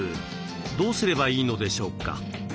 どうすればいいのでしょうか？